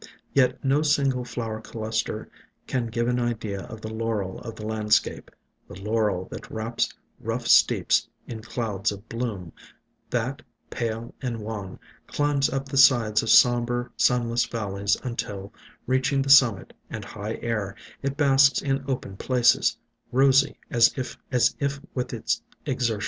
Yet no single flower cluster can give an idea of the Laurel of the land scape,— the Laurel that wraps rough steeps in clouds of bloom ; that, pale and wan, climbs up the sides of somber, sunless valleys until, reaching the summit and high air, it basks in open places, rosy, as if with its exertion.